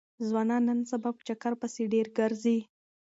ځوانان نن سبا په چکر پسې ډېر ګرځي.